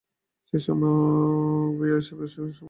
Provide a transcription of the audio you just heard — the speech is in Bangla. সে সময়ে উভয়ে এ বিষয়ে সম্মত হন।